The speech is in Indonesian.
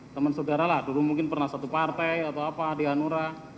teman saudara lah dulu mungkin pernah satu partai atau apa di hanura